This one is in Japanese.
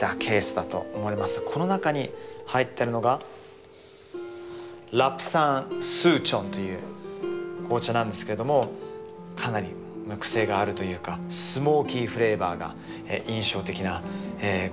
この中に入ってるのがラプサンスーチョンという紅茶なんですけどもかなりクセがあるというかスモーキーフレーバーが印象的な紅茶です。